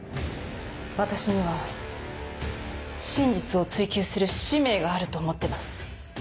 私には真実を追求する使命があると思ってます。